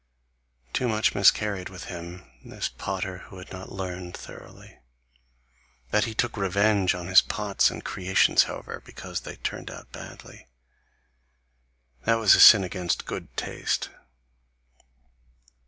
Too much miscarried with him, this potter who had not learned thoroughly! That he took revenge on his pots and creations, however, because they turned out badly that was a sin against GOOD TASTE.